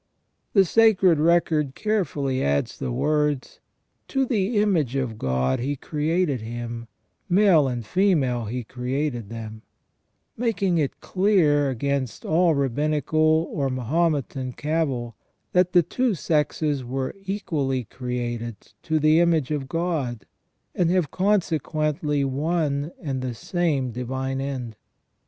The Sacred Record carefully adds the words :" To the image of God He created him, male and female He created them "; making it clear against all Rabbinical or Mahometan cavil, that the two sexes were equally created to the image of God, and have consequently one and the same divine end.